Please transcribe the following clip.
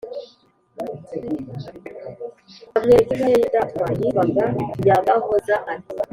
amwereka inka ye y'indatwa yitwaga nyagahoza, ati